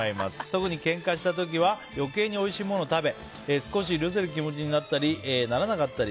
特にけんかした時は余計においしいものを食べ少し許せる気持ちになったりならなかったり。